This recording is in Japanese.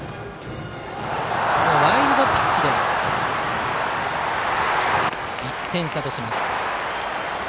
ワイルドピッチで１点差とします。